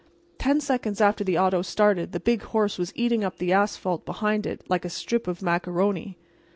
Ten seconds after the auto started the big horse was eating up the asphalt behind it like a strip of macaroni.